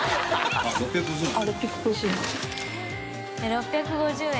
６５０円。